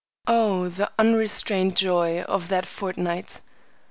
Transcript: Oh, the unrestrained joy of that fortnight!